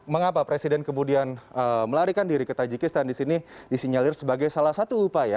mengapa presiden kemudian melarikan diri ke tajikistan disini disinyalir sebagai salah satu upaya